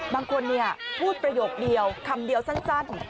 บางคนพูดประโยคเดียวคำเดียวสั้น